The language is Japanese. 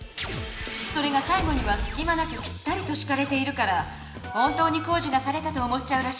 それがさい後にはすきまなくぴったりとしかれているから本当に工事がされたと思っちゃうらしいのよね。